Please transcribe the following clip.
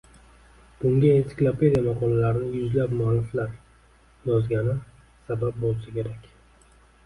Bunga ensiklopediya maqolalarini yuzlab mualliflar yozgani sabab boʻlsa kerak